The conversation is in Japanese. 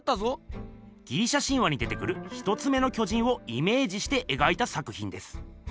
ギリシャ神話に出てくる一つ目の巨人をイメージして描いた作ひんです。